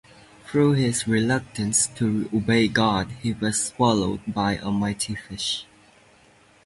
Through his reluctance to obey God, he was swallowed by a "mighty fish".